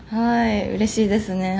うれしいですね。